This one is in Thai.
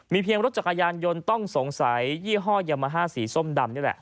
เพียงรถจักรยานยนต์ต้องสงสัยยี่ห้อยามาฮ่าสีส้มดำนี่แหละ